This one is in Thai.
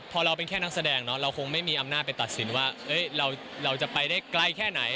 พอเราเป็นแค่นักแสดงเนาะเราคงไม่มีอำนาจไปตัดสินว่าเราจะไปได้ใกล้แค่ไหน